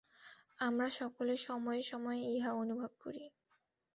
আমরা সকলে সময়ে সময়ে ইহা অনুভব করি।